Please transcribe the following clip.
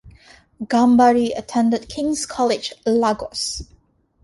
Gambari attended King's College, Lagos.